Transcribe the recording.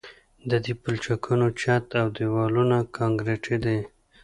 د دې پلچکونو چت او دیوالونه کانکریټي دي